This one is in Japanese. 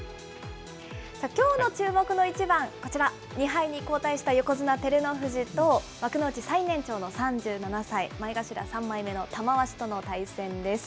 きょうの注目の一番、こちら、２敗に後退した横綱・照ノ富士と、幕内最年長の３７歳、前頭３枚目の玉鷲との対戦です。